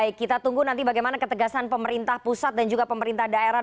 baik kita tunggu nanti bagaimana ketegasan pemerintah pusat dan juga pemerintah daerah